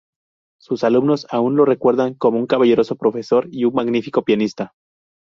Sus alumnos aún lo recuerdan como un caballeroso profesor y un magnífico pianista.